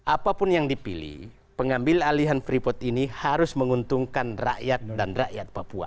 apapun yang dipilih pengambil alihan freeport ini harus menguntungkan rakyat dan rakyat papua